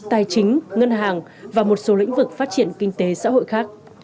tài chính ngân hàng và một số lĩnh vực phát triển kinh tế xã hội khác